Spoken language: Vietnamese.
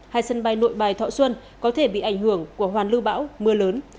hai sân bay nội bài thọ xuân có thể bị ảnh hưởng của hoàn lưu bão mưa lớn